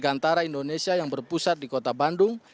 di antara indonesia yang berpusat di kota bandung